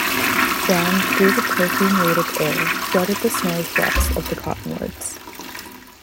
Down through the perfume weighted air fluttered the snowy fluffs of the cottonwoods.